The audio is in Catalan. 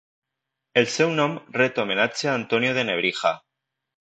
El seu nom ret homenatge a Antonio de Nebrija.